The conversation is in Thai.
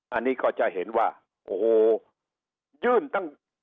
อันนี้ก็จะเห็นว่าโอ้โหยื่นตั้ง